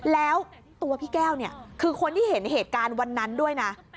แล้วตัวพี่แก้วเนี่ยคือคนที่เห็นเหตุการณ์วันนั้นด้วยนะ